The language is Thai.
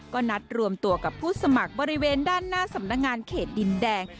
ก็นัดรวมตัวกับผู้สมัครบริเวณด้านหน้าสำนักงานเขตดินแดง